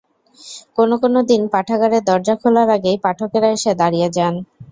কোনো কোনো দিন পাঠাগারের দরজা খোলার আগেই পাঠকেরা এসে দাঁড়িয়ে যান।